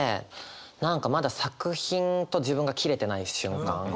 何かまだ作品と自分が切れてない瞬間